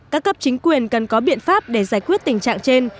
các cấp chính quyền cần có biện pháp để giải quyết tình trạng trên